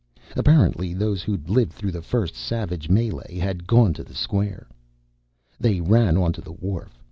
Apparently, those who'd lived through the first savage mêlée had gone to the square. They ran onto the wharf.